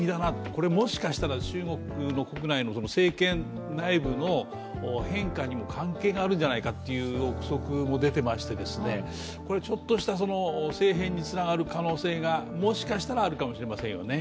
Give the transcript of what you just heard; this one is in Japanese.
これ、もしかしたら中国国内の政権内部の変化にも関係があるんじゃないかという憶測も出てましてちょっとした政変につながる可能性がもしかしたらあるのかもしれませんね。